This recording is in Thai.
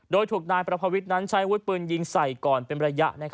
โดยถูกนายประภาวิทย์นั้นใช้วุฒิปืนยิงใส่ก่อนเป็นระยะ